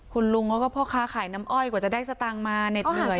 คุณลุงเขาก็พ่อค้าขายน้ำอ้อยกว่าจะได้สตางค์มาเหน็ดเหนื่อย